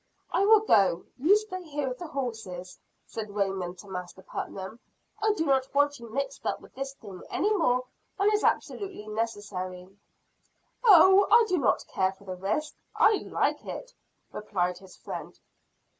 "I will go you stay here with the horses," said Raymond to Master Putnam. "I do not want you mixed up with this thing any more than is absolutely necessary." "Oh, I do not care for the risk I like it," replied his friend.